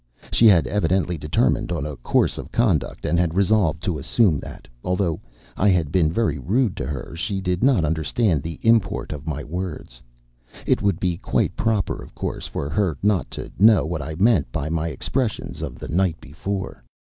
She had evidently determined on a course of conduct and had resolved to assume that, although I had been very rude to her, she did not understand the import of my words. It would be quite proper, of course, for her not to know what I meant by my expressions of the night before.